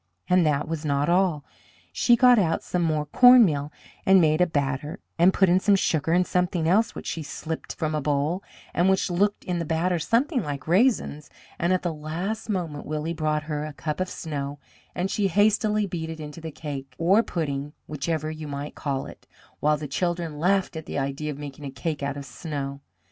And that was not all. She got out some more cornmeal, and made a batter, and put in some sugar and something else which she slipped in from a bowl, and which looked in the batter something like raisins; and at the last moment Willie brought her a cup of snow and she hastily beat it into the cake, or pudding, whichever you might call it, while the children laughed at the idea of making a cake out of snow.